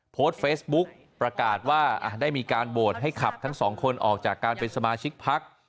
โพสต์เฟซบุ๊กประกาศว่าได้มีการโหวตให้ขับทั้งสองคนออกจากการเป็นสมาชิกพัก